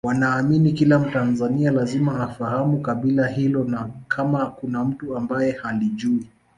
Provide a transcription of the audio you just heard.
wanaamini kila mtanzania lazima afahamu kabila hilo na kama kuna mtu ambaye halijui